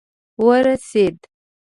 ورسېد.